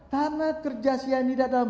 karena kerja cyanida adalah